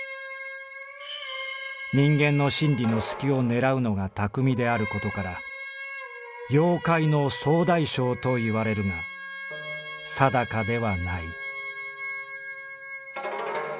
「人間の心理の隙を狙うのが巧みであることから妖怪の総大将といわれるが定かではない」。